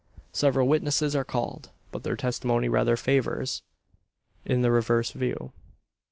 Several witnesses are called; but their testimony rather favours the reverse view.